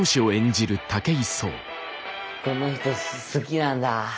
この人好きなんだ。